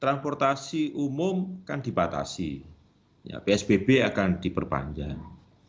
transportasi umum kan dibatasi psbb akan diperpanjang